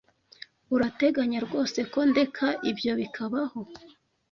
Urateganya rwose ko ndeka ibyo bikabaho?